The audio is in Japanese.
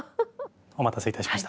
お待たせいたしました。